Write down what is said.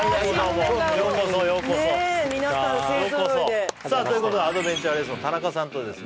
ようこそようこそということでアドベンチャーレースの田中さんとですね